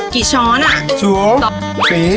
กี่ช้อนครับ